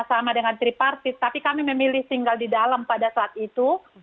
sama dengan tripartis tapi kami memilih tinggal di dalam pada saat itu